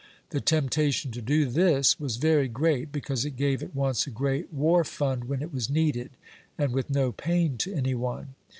The temptation to do this was very great, because it gave at once a great war fund when it was needed, and with no pain to any one.